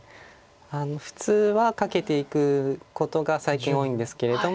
普通はカケていくことが最近多いんですけれども。